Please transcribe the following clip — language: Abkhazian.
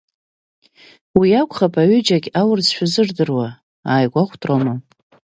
Уи акәхап рҩыџьагь аурысшәа зырдыруа, ааигәахәт Рома.